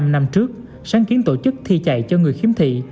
năm năm trước sáng kiến tổ chức thi chạy cho người khiếm thị